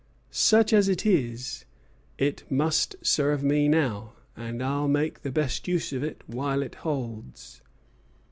Such as it is, it must serve me now, and I'll make the best of it while it holds."